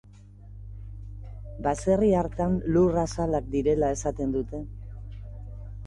Baserri hartan lur azalak direla esaten dute.